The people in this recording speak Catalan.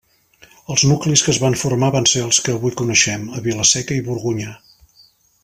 Els nuclis que es van formar van ser els que avui coneixem, Vila-seca i Borgonyà.